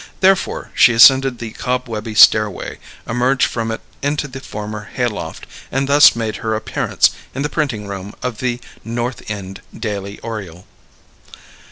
Therefore, she ascended the cobwebby stairway, emerged from it into the former hay loft, and thus made her appearance in the printing room of The North End Daily Oriole.